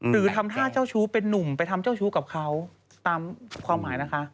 หรือทำท่าเจ้าชู้เป็นนุ่มไปทำเจ้าชู้กับเขาตามความหมายนะคะ